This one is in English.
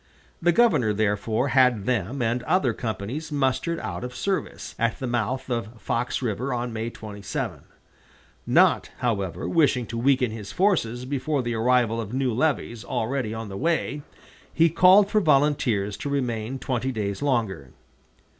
The governor therefore had them and other companies mustered out of service, at the mouth of Fox River, on May 27. Not, however, wishing to weaken his forces before the arrival of new levies already on the way, he called for volunteers to remain twenty days longer.